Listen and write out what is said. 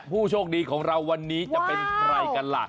ผู้โชคดีของเราวันนี้จะเป็นใครกันล่ะ